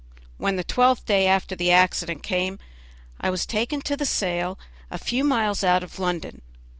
When the twelfth day after the accident came, I was taken to the sale, a few miles out of London.